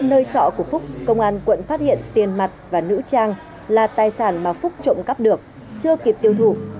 nơi trọ của phúc công an quận phát hiện tiền mặt và nữ trang là tài sản mà phúc trộm cắp được chưa kịp tiêu thụ